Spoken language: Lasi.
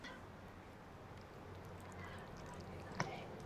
عقل سين ڪم وٺ